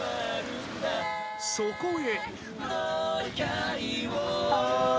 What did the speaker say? ［そこへ］